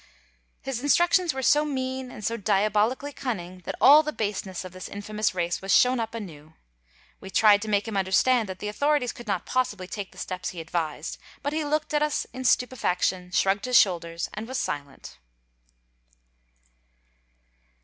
His instructions were so mean and so diabolically cunning that all the baseness of this infamous race was shown up anew. We tried to make him understand that the authorities could not possibly take the steps he advised, but he looked at us in stupefaction, shrugged his shoulders, and was silent.